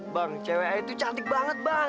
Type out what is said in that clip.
bang cwa itu cantik banget bang